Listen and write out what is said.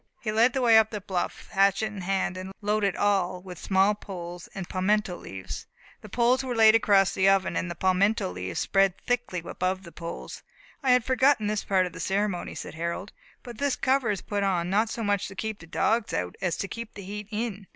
He led the way up the bluff, hatchet in hand, and loaded all with small poles and palmetto leaves. The poles were laid across the oven, and the palmetto leaves spread thickly above the poles. "I had forgotten this part of the ceremony," said Harold. "But this cover is put on not so much to keep the dogs out as to keep the heat in.